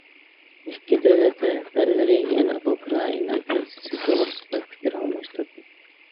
ئىككى دۆلەت رەھبەرلىرى يەنە ئۇكرائىنا كىرىزىسى توغرىسىدا پىكىر ئالماشتۇردى.